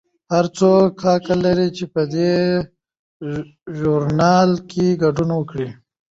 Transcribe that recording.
هر څوک حق لري چې په دې ژورنال کې ګډون وکړي.